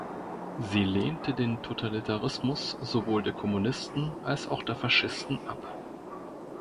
Sie lehnte den Totalitarismus sowohl der Kommunisten als auch der Faschisten ab.